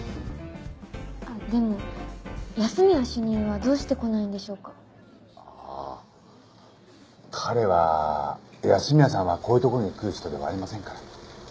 あっでも安洛主任はどうして来ないんでしょうか？ああ彼は安洛さんはこういうとこに来る人ではありませんから。